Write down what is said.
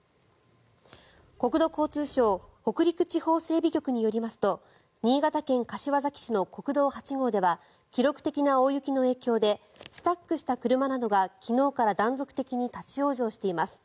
国土交通省北陸地方整備局によりますと新潟県柏崎市の国道８号では記録的な大雪の影響でスタックした車などが昨日から断続的に立ち往生しています。